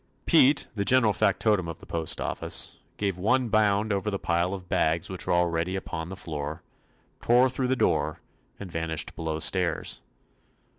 Pete, the general factotum of the postoffice, gave one bound over the pile of bags which were already upon the floor, tore through the door, and vanished below stairs.